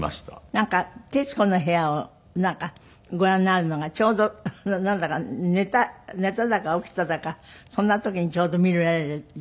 なんか『徹子の部屋』をご覧になるのがちょうどなんだか寝ただか起きただかそんな時にちょうど見られる時間だった。